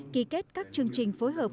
ký kết các chương trình phối hợp